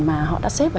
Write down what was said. mà họ đã xếp vào